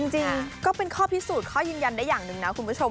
จริงก็เป็นข้อพิสูจน์ข้อยืนยันได้อย่างหนึ่งนะคุณผู้ชม